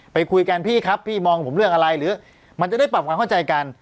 ไปคุยกันพี่ครับพี่มองผมเรื่องอะไรหรือมันจะได้ปรับความเข้าใจกัน